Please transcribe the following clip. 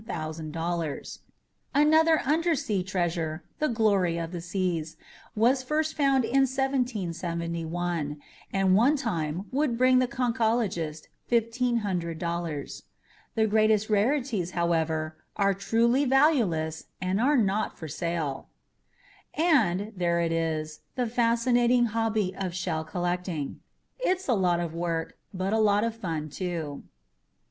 Another undersea treasure, the Glory Of The Seas, was first found in 1771 and one time would bring the conchologist $1500. The greatest rarities, however, are truly valueless and are not for sale. .. .And there it is, the fascinating hobby of shell collecting. It's a lot of work but a lot of fun, too.